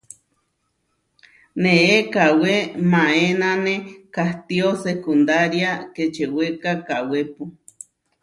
Neé kawé maénane kahtió sekundária kečewéka kawépu.